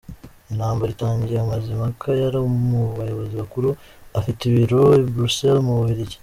Intambara itangiye Mazimhaka yari mu bayobozi bakuru afite ibiro i Bruxelles mu Bubiligi.